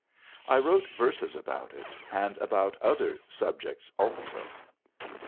I wrote verses about it, and about other subjects also.